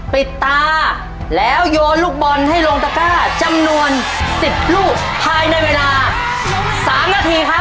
ปิดตาแล้วโยนลูกบอลให้ลงตะก้าจำนวน๑๐ลูกภายในเวลา๓นาทีครับ